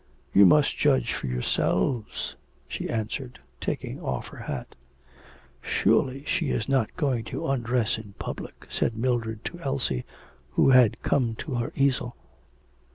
You must judge for yourselves,' she answered, taking off her hat. 'Surely she is not going to undress in public!' said Mildred to Elsie, who had come to her easel.